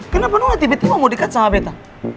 kenapa nona tiba tiba mau dekat sama betta